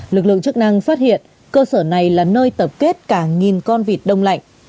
lực lượng chức năng phát hiện cơ sở này là nơi tập kết cả nghìn con vịt đông lạnh